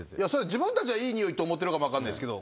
自分たちはいい匂いって思ってるかもしれないですけど